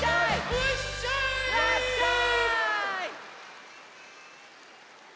へいいらっしゃい！